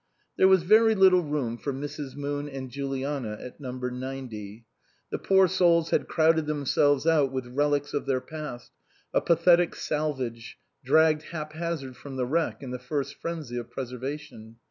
There was very little room for Mrs. Moon and Juliana at number ninety. The poor souls had crowded themselves out with relics of their past, a pathetic salvage, dragged hap hazard from the wreck in the first frenzy of preserva tion.